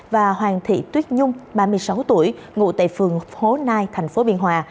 và hoàng thị tuyết nhung ba mươi sáu tuổi ngụ tại phường hố nai tp biên hòa